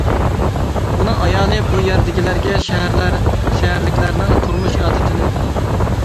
ئۇنىڭ ئايالى بۇ يەردىكىلەرگە شەھەرلىكلەرنىڭ تۇرمۇش ئادىتىنى ئۆگىتىدۇ.